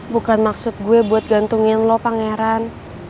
bukan maksud gue buat gantungin lo pangeran